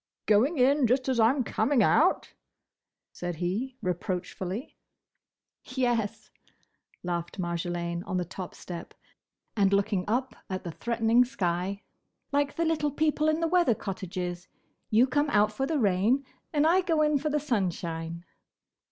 "Going in, just as I'm coming out?" said he, reproachfully. "Yes," laughed Marjolaine on the top step, and looking up at the threatening sky, "like the little people in the weather cottages: you come out for the rain; and I go in for the sunshine."